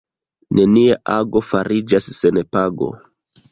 Nenia ago fariĝas sen pago.